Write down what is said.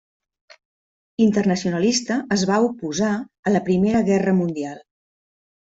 Internacionalista, es va oposar a la Primera Guerra Mundial.